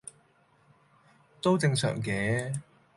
都正常嘅